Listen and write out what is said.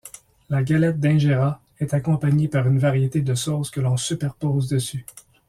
La galette d’injera est accompagnée par une variété de sauces que l’on superpose dessus.